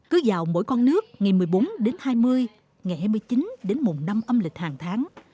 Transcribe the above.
cứ vào mỗi con nước ngày một mươi bốn đến hai mươi ngày hai mươi chín đến mùng năm âm lịch hàng tháng